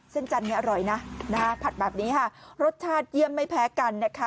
จันเนี่ยอร่อยนะผัดแบบนี้ค่ะรสชาติเยี่ยมไม่แพ้กันนะคะ